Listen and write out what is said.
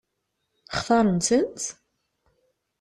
Xtaṛent-tent?